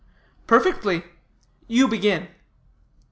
"Perfectly. You begin."